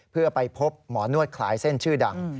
เพื่อไปพบหมอนวดคลายเส้นชื่อดัง